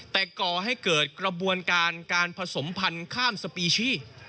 แต่ก่อให้เกิดกระบวนการการผสมพันธุ์ข้ามสปีชี